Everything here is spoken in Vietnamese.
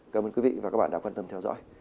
cảm ơn quý vị và các bạn đã quan tâm theo dõi